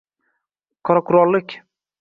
Qoraquroqlik o‘g‘rilarning rejasini eshitdi